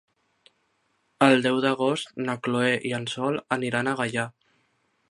El deu d'agost na Chloé i en Sol aniran a Gaià.